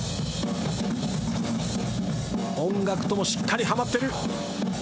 音楽ともしっかりはまってる。